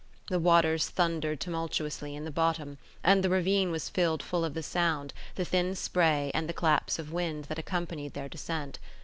The waters thundered tumultuously in the bottom; and the ravine was filled full of the sound, the thin spray, and the claps of wind, that accompanied their descent.